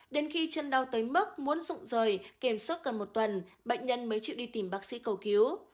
đến khi chân đau tới mức muốn rụng rời kiểm soát gần một tuần bệnh nhân mới chịu đi tìm bác sĩ cầu cứu